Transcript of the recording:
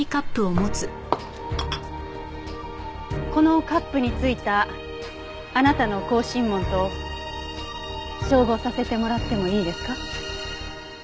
このカップに付いたあなたの口唇紋と照合させてもらってもいいですか？